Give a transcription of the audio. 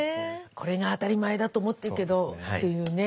これが当たり前だと思ってるけどっていうね。